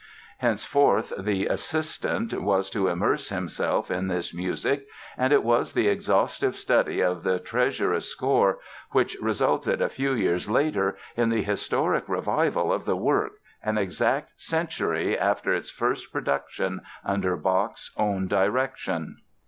Henceforth the "assistant" was to immerse himself in this music and it was the exhaustive study of the treasurous score which resulted a few years later in the historic revival of the work an exact century after its first production under Bach's own direction.